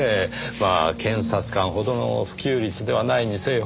まあ検察官ほどの普及率ではないにせよ。